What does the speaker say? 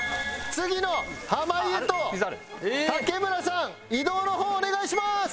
次の濱家と竹村さん移動の方お願いします。